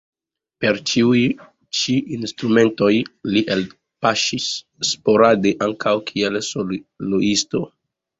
Per ĉiuj ĉi instrumentoj li elpaŝis sporade ankaŭ kiel soloisto.